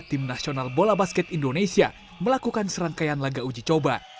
tim nasional bola basket indonesia melakukan serangkaian laga uji coba